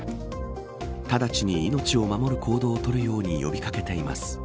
ただちに命を守る行動を取るように呼び掛けています。